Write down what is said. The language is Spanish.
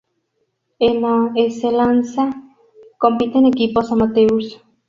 En la Eccellenza compiten equipos amateurs.